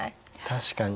確かに。